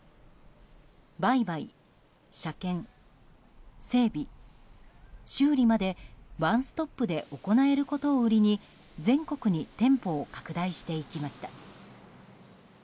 売買、車検、整備、修理までワンストップで行えることを売りに全国に店舗を拡大していきました。